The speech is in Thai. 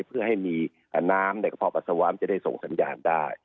เพื่อให้มีน้ำในกระเพาะปัสสาวะมันจะได้ส่งสัญญาณได้